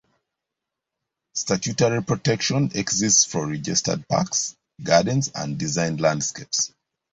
Statutory protection exists for registered parks, gardens and designed landscapes.